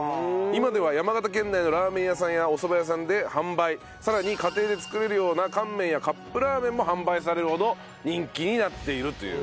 今では山形県内のラーメン屋さんやおそば屋さんで販売さらに家庭で作れるような乾麺やカップラーメンも販売されるほど人気になっているという。